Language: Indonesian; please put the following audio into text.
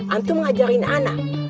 antum ngajarin anak